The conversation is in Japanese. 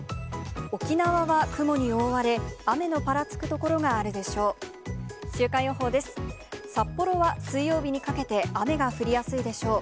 沖縄は雲に覆われ、雨のぱらつく所があるでしょう。